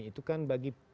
itu kan bagi